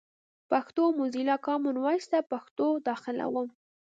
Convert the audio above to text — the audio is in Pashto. پښتو موزیلا، کامن وایس ته پښتو داخلوم.